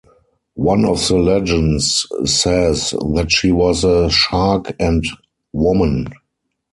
One of the legends says that she was a shark and woman.